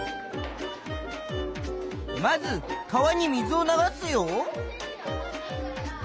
まず川に水を流すよ。